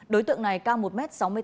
đối tượng này cao một m sáu mươi tám